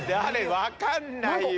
分かんないよ。